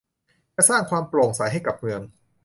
จะสร้างความโปร่งใสให้กับเมือง